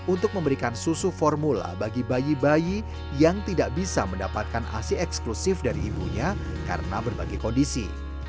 untuk memberikan susu formula bagi bayi bayi yang tidak bisa mendapatkan asi eksklusif dari ibunya karena berbagai kondisi